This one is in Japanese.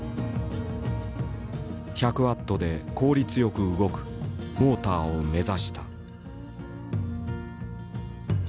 １００ワットで効率よく動くモーターを目指した。